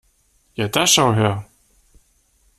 Ja da schau her!